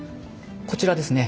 こちらですね。